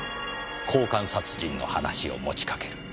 交換殺人の話を持ちかける。